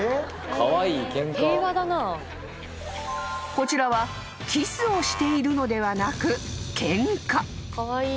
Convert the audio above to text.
［こちらはキスをしているのではなく］